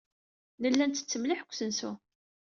Nella nttett mliḥ deg usensu.